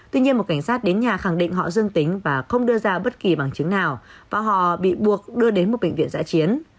tuy nhiên một cảnh sát đến nhà khẳng định họ dương tính và không đưa ra bất kỳ bằng chứng nào và họ bị buộc đưa đến một bệnh viện giã chiến